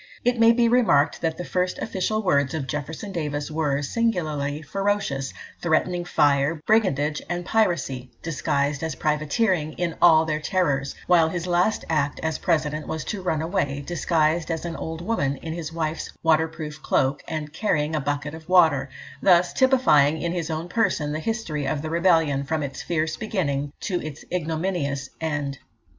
It may be remarked that the first official words of Jefferson Davis were singularly ferocious, threatening fire, brigandage, and piracy, disguised as privateering, in all their terrors; while his last act as President was to run away, disguised as an old woman, in his wife's waterproof cloak, and carrying a bucket of water thus typifying in his own person the history of the rebellion from its fierce beginning to its ignominious end.